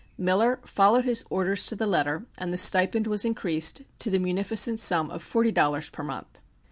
Miller followed his orders to the letter, and the stipend was increased to the munificent sum of forty dollars per month.